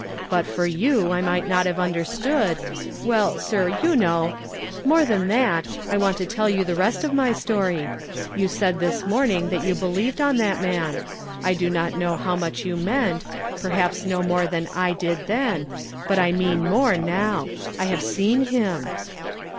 But for you I might not have understood — Well, sir, you know — ^Nlore than that, I Avant to tell you the rest of my story. You said this morning that 3()U believed on that man. I do not know how much you meant, perhaps no nu:)re than I did then ; but I mean more now. I have seen him."